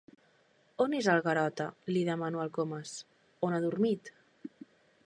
On és el Garota? —li demano al Comas— On ha dormit?